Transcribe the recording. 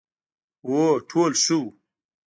هو، ټول ښه وو،